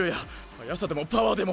速さでもパワーでも！